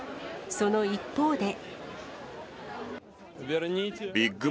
その一方で。